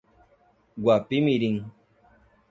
Guapimirim